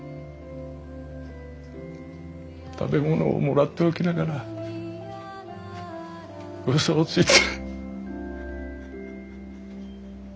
食べ物をもらっておきながらウソをついて。